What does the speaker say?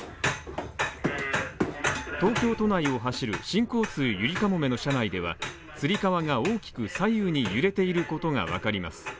東京都内を走る新交通ゆりかもめの車内では、つり革が大きく揺れていることがわかります。